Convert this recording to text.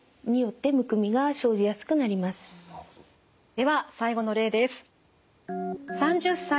では最後の例です。